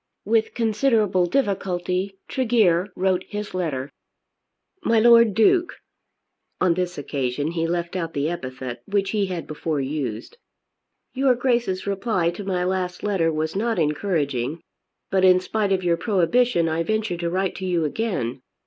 With considerable difficulty Tregear wrote his letter. MY LORD DUKE, [On this occasion he left out the epithet which he had before used] Your Grace's reply to my last letter was not encouraging, but in spite of your prohibition I venture to write to you again.